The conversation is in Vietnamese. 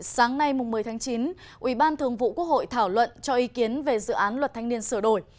sáng nay một mươi tháng chín ủy ban thường vụ quốc hội thảo luận cho ý kiến về dự án luật thanh niên sửa đổi